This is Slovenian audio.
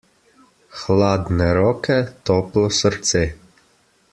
Hladne roke, toplo srce.